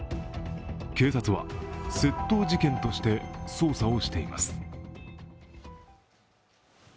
警察は窃盗事件として捜査をしています。